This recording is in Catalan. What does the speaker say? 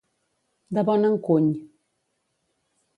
De bon encuny.